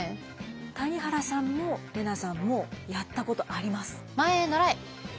谷原さんも怜奈さんもやったことあります。